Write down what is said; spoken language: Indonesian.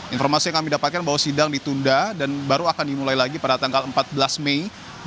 informasi yang kami dapatkan bahwa sidang ditunda dan baru akan dimulai lagi pada tanggal empat belas mei dua ribu dua puluh